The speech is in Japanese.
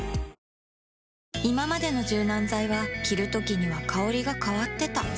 いままでの柔軟剤は着るときには香りが変わってた